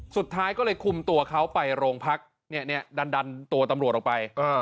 สุดท้ายก็เลยคุมตัวเขาไปโรงพักดันตัวตำรวจออกไป